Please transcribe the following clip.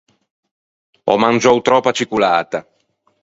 Ò mangiou tròppa cicolata.